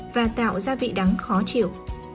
và tạo ra vị đắng khó chịu